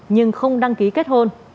nhưng không đăng ký kết hôn